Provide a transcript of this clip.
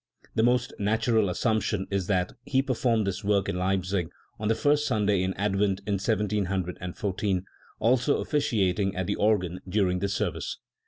The most natural assumption is that he performed this work in Leipzig on the first Sunday in Advent in 1714, also officiating at the organ during the service.